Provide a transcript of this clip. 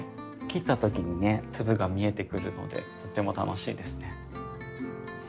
切ったときにね粒が見えてくるのでとっても楽しいですね。